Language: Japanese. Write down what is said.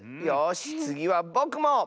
よしつぎはぼくも！